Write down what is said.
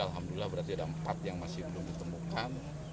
alhamdulillah berarti ada empat yang masih belum ditemukan